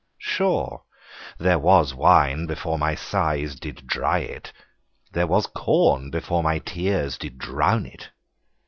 Sure there was wine Before my sighs did dry it: there was corn Before my tears did drown it.